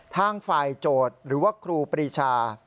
ทางฝ่ายโจทย์หรือว่าครูปรีชา